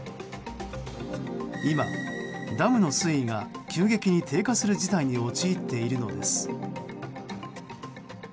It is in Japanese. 今、ダムの水位が急激に低下する事態に陥っているのです。